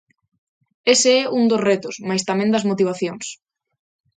Ese é un dos retos, mais tamén das motivacións.